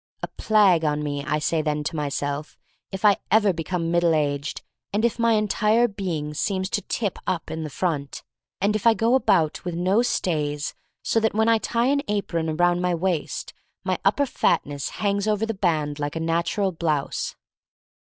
"A plague on me," I say then to myself, "if I ever become middle aged and if my entire being seems to tip up in the front, and if I go about with no stays so that when I tie an apron around my waist my upper fatness hangs over the band like a natural blouse."